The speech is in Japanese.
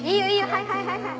はいはいはいはい。